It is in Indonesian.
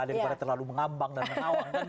daripada terlalu mengambang dan menawan